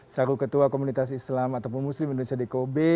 selaku ketua komunitas islam ataupun muslim indonesia di kobe